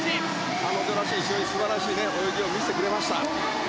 彼女らしい非常に素晴らしい泳ぎを見せてくれました。